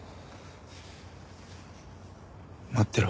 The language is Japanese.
待ってろ。